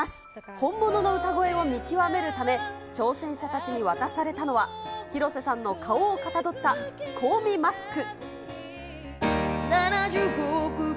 本物の歌声を見極めるため、挑戦者たちに渡されたのは、広瀬さんの顔をかたどった香美マスク。